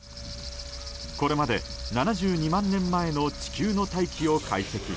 これまで７２万年前の地球の大気を解析。